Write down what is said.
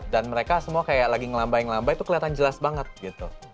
dan mereka semua kayak lagi ngelambai ngelambai tuh kelihatan jelas banget gitu